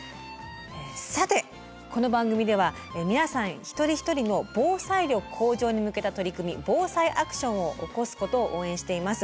さてこの番組では皆さん一人一人の防災力向上に向けた取り組み防災アクションを起こすことを応援しています。